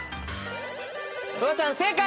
フワちゃん正解！